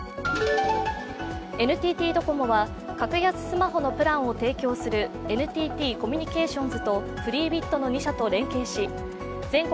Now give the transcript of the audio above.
ＮＴＴドコモは格安スマホのプランを提供するＮＴＴコミュニケーションズとフリービットの２社と連携し全国